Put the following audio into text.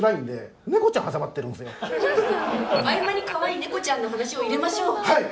「合間に可愛い猫ちゃんの話を入れましょうッ！！」